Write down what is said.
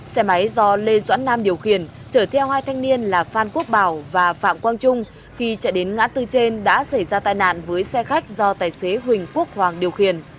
xe máy do lê doãn nam điều khiển chở theo hai thanh niên là phan quốc bảo và phạm quang trung khi chạy đến ngã tư trên đã xảy ra tai nạn với xe khách do tài xế huỳnh quốc hoàng điều khiển